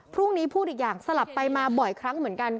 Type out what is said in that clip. พูดอีกอย่างสลับไปมาบ่อยครั้งเหมือนกัน